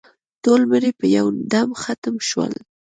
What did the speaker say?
ټول مړي په یو دم ختم شول.